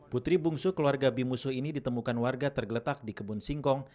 putri bungsu keluarga bimusu ini ditemukan warga tergeletak di kebun singkong